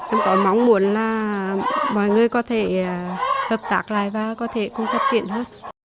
em có mong muốn là mọi người có thể hợp tác lại và có thể cung cấp tiền hơn